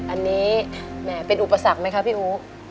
อันนี้แหมเป็นอุปสรรคไหมคะพี่อู๋